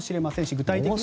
具体的に。